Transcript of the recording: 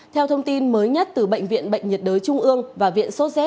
theo thông tin mới nhất từ bệnh viện bệnh nhiệt đới trung ương và viện sốt z